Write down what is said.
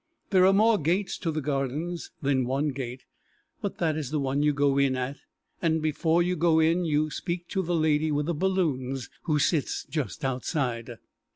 There are more gates to the Gardens than one gate, but that is the one you go in at, and before you go in you speak to the lady with the balloons, who sits just outside.